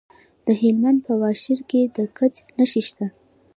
د هلمند په واشیر کې د ګچ نښې شته.